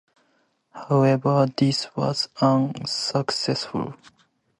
However, this was unsuccessful.